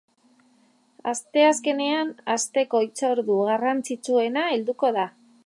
Asteazkenean, asteko hitzordu garrantzitsuena helduko da.